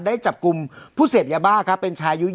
ได้จับกลุ่มผู้เสพยาบ้าครับเป็นชายอายุ๒๐